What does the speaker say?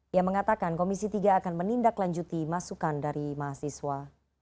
ia mengatakan komisi tiga akan menindaklanjuti masukan dari mahasiswa